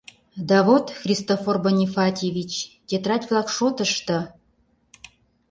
— Да вот, Христофор Бонифатьевич, тетрадь-влак шотышто...